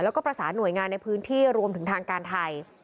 แล้วก็ประสานหน่วยงานในพื้นที่รวมถึงทางการไทย